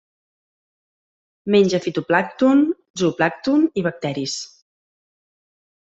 Menja fitoplàncton, zooplàncton i bacteris.